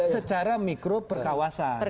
secara mikro perkawasan